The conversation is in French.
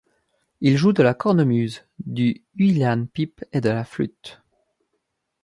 Il joue de la cornemuse, du uilleann pipe et de la flûte.